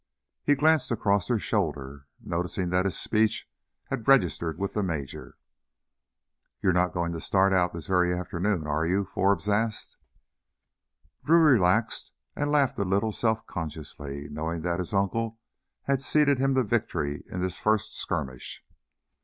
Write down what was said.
He glanced across her shoulder, noticing that his speech had registered with the major. "You're not goin' to start out this very afternoon, are you?" Forbes asked. Drew relaxed and laughed a little self consciously, knowing that his uncle had ceded him the victory in this first skirmish.